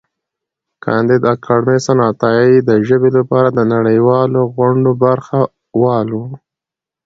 کانديد اکاډميسن عطايي د ژبې لپاره د نړیوالو غونډو برخه وال و.